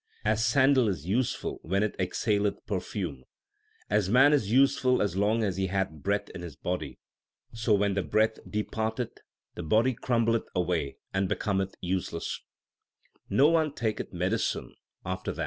As sandal is useful when it exhaleth perfume, As man is useful as long as he hath breath in his body, So when the breath departeth, the body crumbleth away and becometh useless : No one taketh medicine after that.